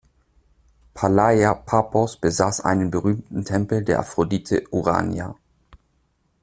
Palaia Paphos besaß einen berühmten Tempel der Aphrodite Urania.